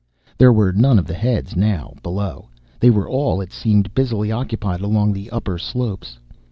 There were none of the heads, now, below. They were all, it seemed, busily occupied along the upper slopes.